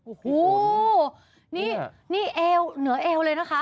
โอ้โหนี่เอวเหนือเอวเลยนะคะ